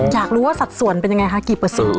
อยากรู้ว่าสัดส่วนเป็นยังไงคะกี่เปอร์เซ็นต